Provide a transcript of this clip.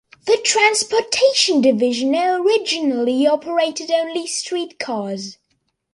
The transportation division originally operated only streetcars.